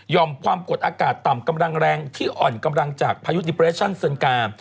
ยอมความกดอากาศต่ำกำลังแรงที่อ่อนกำลังจากพายุเซนกา